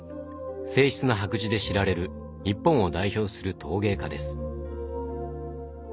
静ひつな白磁で知られる日本を代表する陶芸家です。